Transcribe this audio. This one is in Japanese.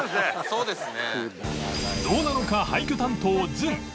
そうですね。